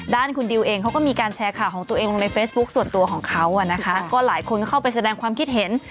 ด้านคุณดิวเองเขาก็มีการแชร์ข่าวของตัวเองลงในเฟซบุ๊คส่วนตัวของเขาอ่ะนะคะก็หลายคนก็เข้าไปแสดงความคิดเห็น